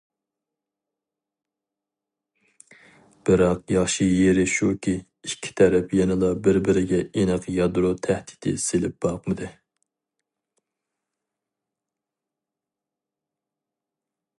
بىراق ياخشى يېرى شۇكى، ئىككى تەرەپ يەنىلا بىر- بىرىگە ئېنىق يادرو تەھدىتى سېلىپ باقمىدى.